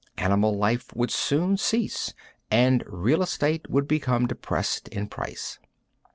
Animal life would soon cease and real estate would become depressed in price.